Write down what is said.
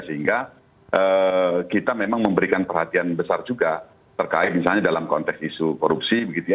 sehingga kita memang memberikan perhatian besar juga terkait misalnya dalam konteks isu korupsi begitu ya